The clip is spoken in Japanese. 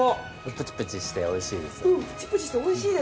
プチプチして美味しいですね！